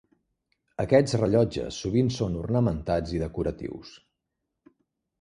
Aquests rellotges sovint són ornamentats i decoratius.